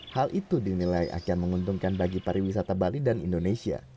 hal itu dinilai akan menguntungkan bagi pariwisata bali dan indonesia